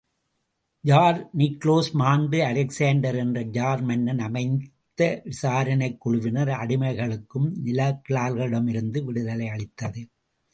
Jar Nicholas மாண்டு Alexander என்ற czar மன்னன் அமைத்த விசாரணைக் குழுவினர் அடிமைகளுக்கும், நிலக்கிழார்களிடமிருந்து விடுதலை அளித்தது.